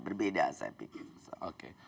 berbeda saya pikir